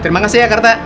terima kasih ya karta